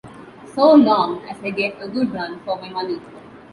So long as I get a good run for my money!